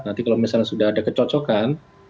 nanti kalau misalnya sudah ada kecocokan